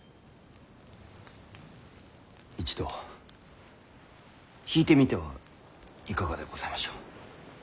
一度引いてみてはいかがでございましょう。